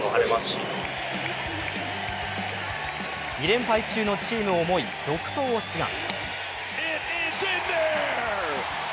２連敗中のチームを思い続投を志願。